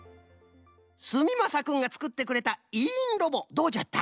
すみまさくんがつくってくれたいいんロボどうじゃった？